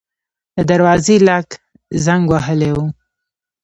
د دروازې لاک زنګ وهلی و.